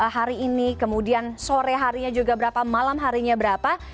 hari ini kemudian sore harinya juga berapa malam harinya berapa